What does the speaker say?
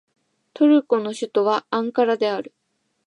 トルコの首都はアンカラである